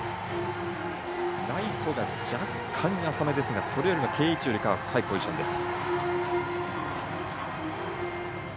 ライトが若干浅めですが定位置よりは深いポジションです。